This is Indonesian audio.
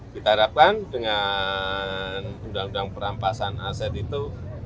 kita harapkan dengan undang undang perampasan aset itu